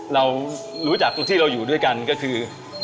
เรารู้จักตรงที่เราอยู่ด้วยกันก็คือ